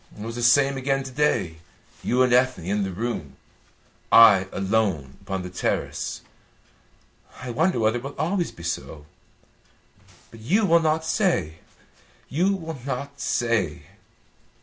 It was the same again to day. You and Ethne in the room, I alone upon the terrace. I wonder whether it will always be so. But you will not say you will not say."